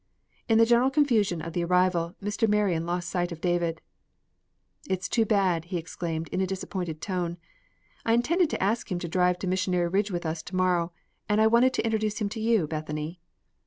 In the general confusion of the arrival, Mr. Marion lost sight of David. "It's too bad!" he exclaimed, in a disappointed tone. "I intended to ask him to drive to Missionary Ridge with us to morrow, and I wanted to introduce him to you, Bethany."